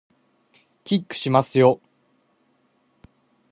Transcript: キックしますよ